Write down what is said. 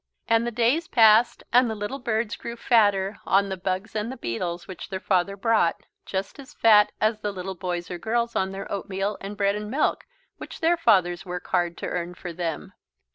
And the days passed and the little birds grew fatter on the bugs and the beetles which their father brought, just as fat as the little boys or girls on their oatmeal and bread and milk, which their fathers work hard to earn for them.